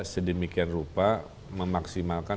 sedemikian rupa memaksimalkan